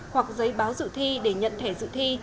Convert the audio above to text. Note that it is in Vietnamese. hoặc giấy báo dự thi để nhận thẻ dự thi